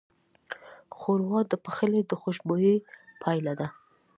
ښوروا د پخلي د خوشبویۍ پایله ده.